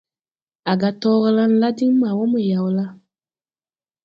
À ga: « Torla la diŋ ma wɔ mo yawla? ».